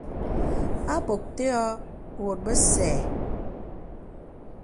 À bòk tè ɔ̄ɔ̄ bòt bèsɛ̂.